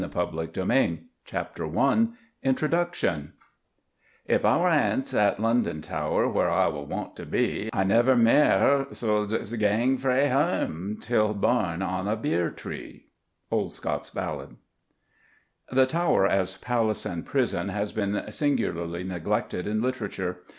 _ THE TOWER OF LONDON CHAPTER I INTRODUCTION If I were ance at London Tower Where I was wont to be, I never mair suld gang frae hame Till borne on a bier tree. Old Scots Ballad. The Tower as palace and prison has been singularly neglected in literature.